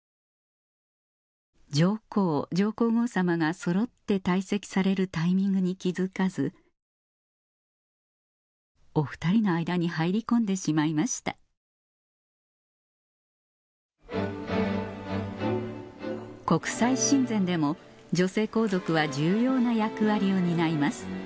上皇上皇后さまがそろって退席されるタイミングに気付かずお二人の間に入り込んでしまいました国際親善でも女性皇族は重要な役割を担います